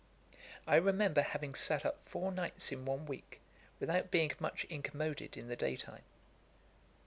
I remember having sat up four nights in one week, without being much incommoded in the day time.